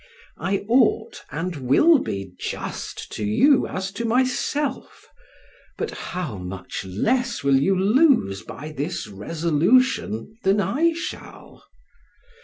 I ought and will be just to you as to myself; but how much less will you lose by this resolution than I shall!